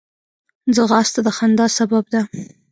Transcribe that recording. ځغاسته د خندا سبب ده